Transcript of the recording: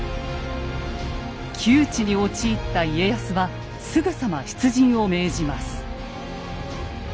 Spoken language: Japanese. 窮地に陥った家康はすぐさま出陣を命じます。